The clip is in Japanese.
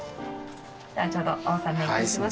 ちょうどお納めいたします。